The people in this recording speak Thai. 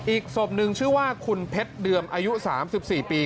อีกศพหนึ่งชื่อว่าคุณเพชรเดิมอายุ๓๔ปี